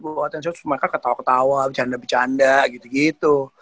gue latihan serius mereka ketawa ketawa bercanda bercanda gitu gitu